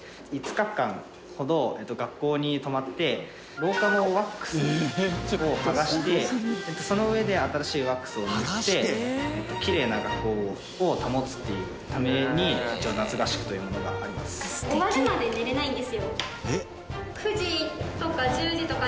廊下のワックスを剥がしてその上で新しいワックスを塗ってきれいな学校を保つっていうために夏合宿というものがあります。